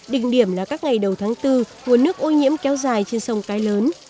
định điểm là các ngày đầu tháng bốn nguồn nước ô nhiễm kéo dài trên sông cái lớn